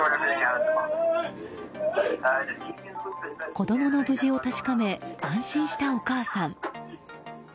子供の無事を確かめ安心したお母さん。